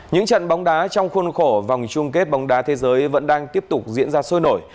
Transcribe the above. những trận bóng đá trong khuôn khổ vòng chung kết bóng đá thế giới vẫn đang tiếp tục diễn ra sôi nổi